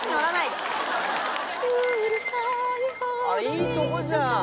いいとこじゃん